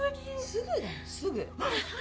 すぐだよすぐ！